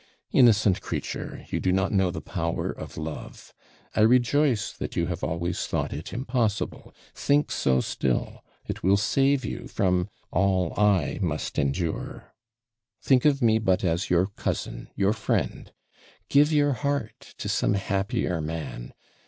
Innocent creature! you do not know the power of love. I rejoice that you have always thought it impossible think so still it will save you from all I must endure. Think of me but as your cousin, your friend give your heart to some happier man.